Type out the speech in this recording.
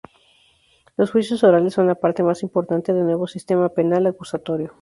Los juicios orales son la parte más importante del nuevo sistema penal acusatorio.